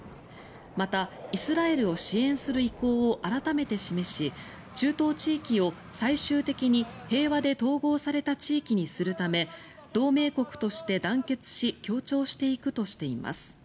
また、イスラエルを支援する意向を改めて示し中東地域を、最終的に平和で統合された地域にするため同盟国として団結し協調していくとしています。